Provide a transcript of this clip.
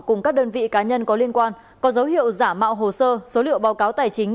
cùng các đơn vị cá nhân có liên quan có dấu hiệu giả mạo hồ sơ số liệu báo cáo tài chính